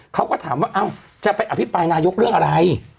เขาก็ถามว่าจะไปอภิปรายนายกเรื่องอะไร